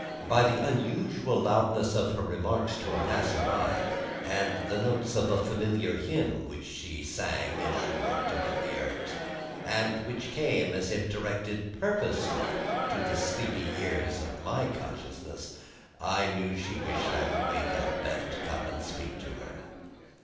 By the unusual loudness of her remarks to a passer by, and the notes of a familiar hymn which she sang as she worked among the herbs, and which came as if directed purposely to the sleepy ears of my consciousness, I knew that she wished I would wake up and come and speak to her.